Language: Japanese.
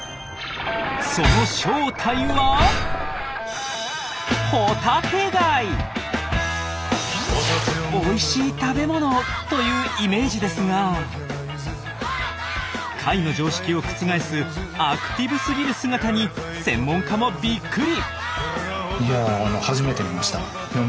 その正体はおいしい食べ物！というイメージですが貝の常識を覆すアクティブすぎる姿に専門家もびっくり！